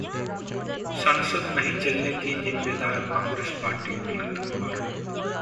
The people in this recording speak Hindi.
संसद नहीं चलने की जिम्मेदार कांग्रेस पार्टी: अनंत कुमार